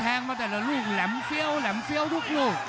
มาแต่ละลูกแหลมเฟี้ยวแหลมเฟี้ยวทุกลูก